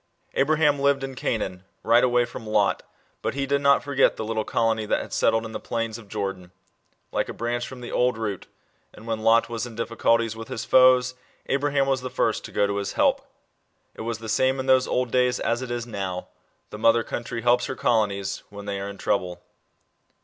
Abraham lived in Canaan, right away from Lot; but he did not forget the little colony that had settled in the plains of Jordan liko a branch from 10 TRADE SETTLEMENTS. [B.O. 1857. the old root, and when Lot was in difficulties with his foei, Abraham was the first to go tc his help. It was the same in those old days as it is now ; the mother country helps her colonies, when they are in trouble.